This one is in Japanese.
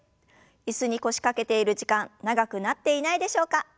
椅子に腰掛けている時間長くなっていないでしょうか？